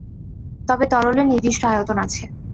তবে তরলের নির্দিষ্ট আয়তন আছে।